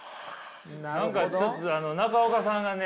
何かちょっと中岡さんがね